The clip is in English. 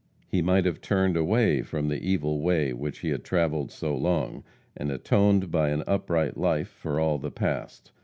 He might have turned away from the evil way which he had travelled so long, and atoned by an upright life for all the past.